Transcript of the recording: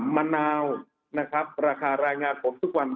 มะนาวราคารายงานของผมทุกวัน